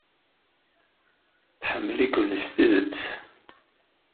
Tḥemmel-iken s tidet.